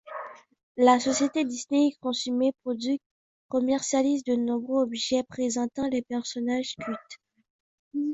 La société Disney Consumer Products commercialise de nombreux objets présentant les personnages Cute.